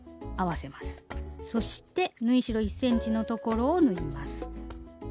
そして縫い代１ｃｍのところを縫います。